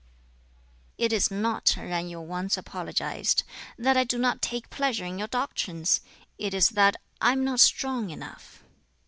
"It is not," Yen Yu once apologized, "that I do not take pleasure in your doctrines; it is that I am not strong enough."